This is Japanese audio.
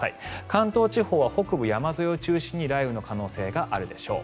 関東地方は北部山沿いを中心に雷雨の可能性があるでしょう。